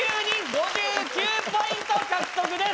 ５９ポイント獲得です！